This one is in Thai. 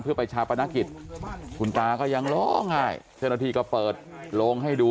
เพื่อไปชาปนกิจคุณตาก็ยังล้อง่ายเทพนาทีก็เปิดโรงให้ดู